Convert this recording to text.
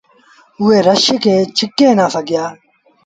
او رڇ کي ڇڪي نآ سگھيآ۔